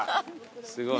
すごい。